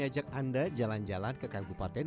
bawa anda jalan jalan ke kagupaten